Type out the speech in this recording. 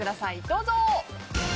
どうぞ。